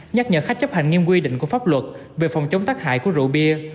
nhắc nhở khách chấp hành nghiêm quy định của pháp luật về phòng chống tác hại của rượu bia